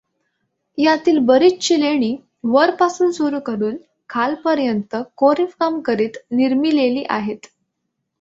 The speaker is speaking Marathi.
यातील बरीचशी लेणी वरपासून सुरू करून खालपर्यंत कोरीवकाम करीत निर्मिलेली आहेत.